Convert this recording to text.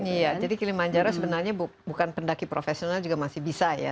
iya jadi kilimanjara sebenarnya bukan pendaki profesional juga masih bisa ya